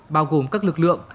bao gồm các lực lượng